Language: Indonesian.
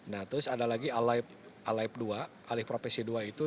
nah terus ada lagi aliprofesi dua itu